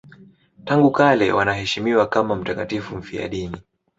Tangu kale wanaheshimiwa kama mtakatifu mfiadini.